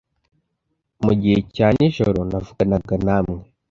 Mu gihe cya nijoro navuganaga namwe